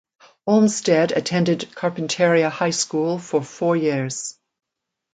Olmstead attended Carpinteria High School for four years.